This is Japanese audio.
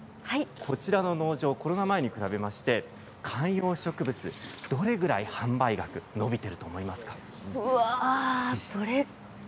こちらの農場コロナ前に比べまして観葉植物、どれぐらい販売額伸びていると思いますか？